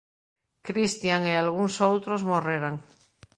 Christian e algúns outros morreran.